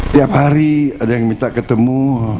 tiap hari ada yang minta ketemu